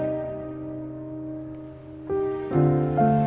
untuk memperoleh video ini